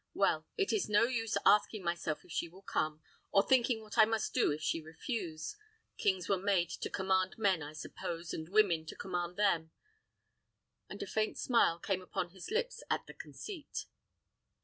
Well, it is no use asking myself if she will come, or thinking what I must do if she refuse. Kings were made to command men, I suppose, and women to command them;" and a faint smile came upon his lips at the conceit.